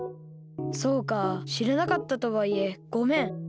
そうかしらなかったとはいえごめん。